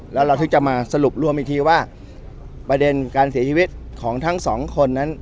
แล้วเราถึงจะมาสรุปรวมอีกทีว่าประเด็นการเสียชีวิตของทั้งสองคนนั้น